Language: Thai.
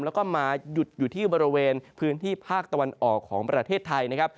แล้วก็มาหยุดอยู่ที่บริเวณพื้นที่ภาคตะวันออกของประเทศไทยนะครับ